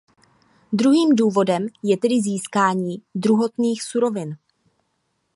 Druhým důvodem je tedy získání druhotných surovin.